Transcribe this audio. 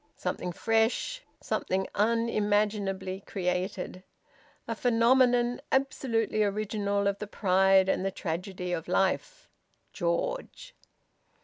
Something fresh! Something unimaginably created! A phenomenon absolutely original of the pride and the tragedy of life! George!